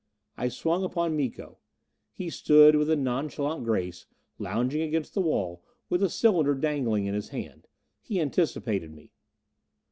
I swung upon Miko. He stood with a nonchalant grace, lounging against the wall with a cylinder dangling in his hand. He anticipated me.